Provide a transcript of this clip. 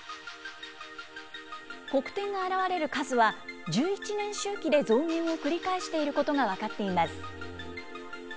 黒点が現れる数は、１１年周期で増減を繰り返していることが分かっています。